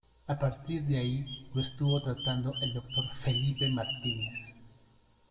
A partir de ahí lo estuvo tratando el doctor Felipe Martínez.